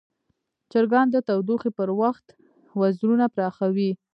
چرګان د تودوخې پر وخت وزرونه پراخوي.